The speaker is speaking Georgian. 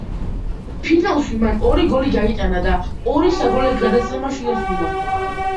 ფინალში მან ორი გოლი გაიტანა და ორი საგოლე გადაცემა შეასრულა.